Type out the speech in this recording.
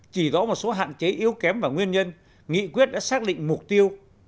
có một số hạn chế yếu kém và nguyên nhân nghị quyết đã xác định mục tiêu